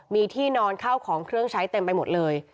มีที่นอนเข้าของเครื่องใช้เต็มไปหมดเลย